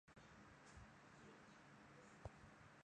明玉珍省小溪县入州。